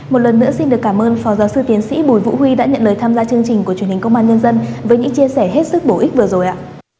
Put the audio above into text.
một lần nữa xin được cảm ơn phó giáo sư tiến sĩ bùi vũ huy đã nhận lời tham gia chương trình của truyền hình công an nhân dân với những chia sẻ hết sức bổ ích vừa rồi ạ